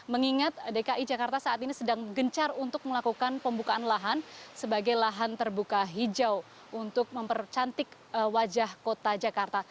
mengingat dki jakarta saat ini sedang gencar untuk melakukan pembukaan lahan sebagai lahan terbuka hijau untuk mempercantik wajah kota jakarta